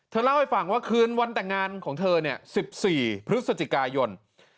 เล่าให้ฟังว่าคืนวันแต่งงานของเธอเนี่ย๑๔พฤศจิกายน